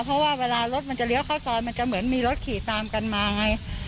เพราะว่าเวลารถมันจะเลี้ยวเข้าซอยมันจะเหมือนมีรถขี่ตามกันมาไง